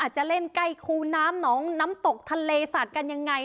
อาจจะเล่นใกล้คูน้ำน้องน้ำตกทะเลสาดกันยังไง